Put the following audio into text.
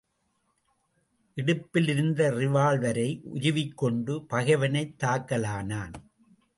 இடுப்பிலிருந்த ரிவால்வரை உருவிக்கொண்டு, பகைவனைத் தாக்கலானான்.